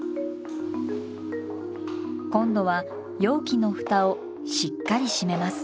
今度は容器の蓋をしっかり閉めます。